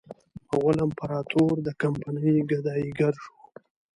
مغول امپراطور د کمپنۍ ګدایي ګر شو.